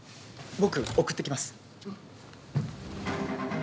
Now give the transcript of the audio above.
僕送ってきます。